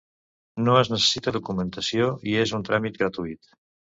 No es necessita documentació i és un tràmit gratuït.